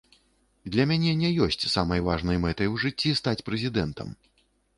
Для мяне не ёсць самай важнай мэтай у жыцці стаць прэзідэнтам.